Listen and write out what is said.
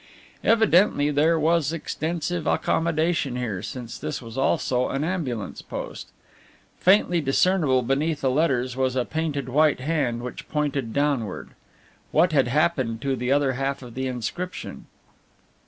Evidently there was extensive accommodation here, since this was also an ambulance post. Faintly discernible beneath the letters was a painted white hand which pointed downward. What had happened to the other half of the inscription?